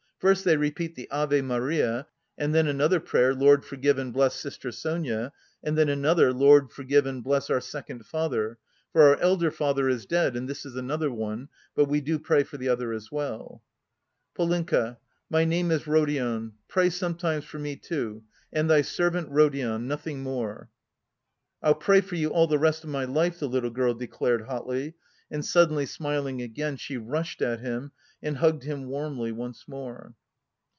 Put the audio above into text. First they repeat the 'Ave Maria' and then another prayer: 'Lord, forgive and bless sister Sonia,' and then another, 'Lord, forgive and bless our second father.' For our elder father is dead and this is another one, but we do pray for the other as well." "Polenka, my name is Rodion. Pray sometimes for me, too. 'And Thy servant Rodion,' nothing more." "I'll pray for you all the rest of my life," the little girl declared hotly, and suddenly smiling again she rushed at him and hugged him warmly once more.